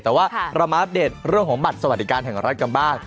แต่ว่าเรามาอัปเดตเรื่องของบัตรสวัสดิการแห่งรัฐกันบ้าง